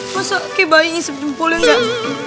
masa kayak bayi ngisep jempolin gak